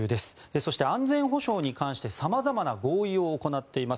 そして安全保障に関して様々な合意を行っています。